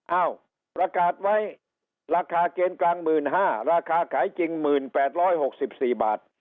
ประกาศไว้ราคาเกณฑ์กลาง๑๕๐๐ราคาขายจริง๑๘๖๔บาท